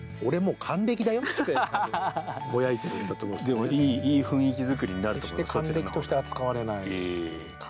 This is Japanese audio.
でも、いい雰囲気作りになると思います。